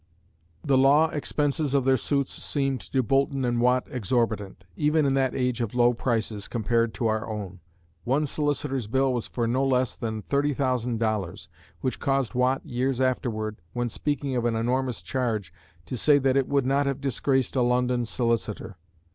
The law expenses of their suits seemed to Boulton and Watt exorbitant, even in that age of low prices compared to our own. One solicitors bill was for no less than $30,000, which caused Watt years afterward, when speaking of an enormous charge to say that "it would not have disgraced a London solicitor."